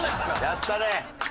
やったね。